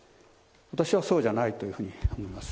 私はそうじゃないというふうに思います。